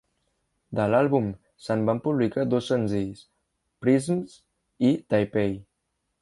De l'àlbum, se'n van publicar dos senzills: "Prisms" i "Taipei".